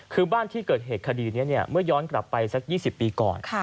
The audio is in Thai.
คือบ้านที่เกิดเหตุคดีนี้เมื่อย้อนกลับไปสัก๒๐ปีก่อน